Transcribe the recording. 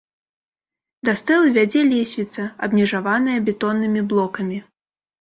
Да стэлы вядзе лесвіца, абмежаваная бетоннымі блокамі.